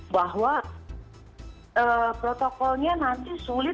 bahwa protokolnya nanti sulit